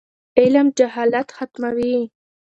علم جهالت ختموي.